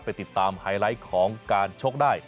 ติดตามไฮไลท์ของการชกได้